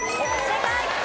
正解！